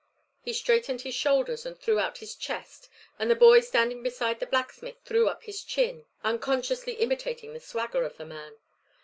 He straightened his shoulders and threw out his chest and the boy standing beside the blacksmith threw up his chin, unconsciously imitating the swagger of the man.